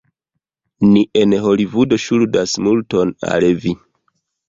Ni en Holivudo ŝuldas multon al li.